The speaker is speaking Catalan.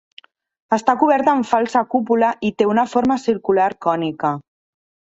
Està coberta amb falsa cúpula i té una forma circular cònica.